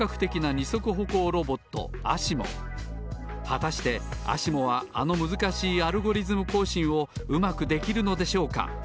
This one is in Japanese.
はたしてＡＳＩＭＯはあのむずかしい「アルゴリズムこうしん」をうまくできるのでしょうか。